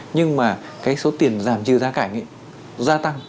nhưng mà cái số tiền giảm trừ gia cảnh ấy gia tăng